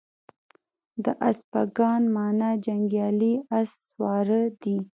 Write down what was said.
د اسپاگان مانا جنگيالي اس سواره دي